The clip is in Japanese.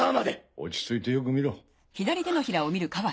落ち着いてよく見ろ。